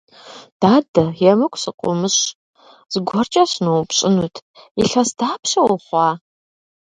Дадэ, емыкӀу сыкъыумыщӀ, зыгуэркӀэ сыноупщӀынут: илъэс дапщэ ухъуа?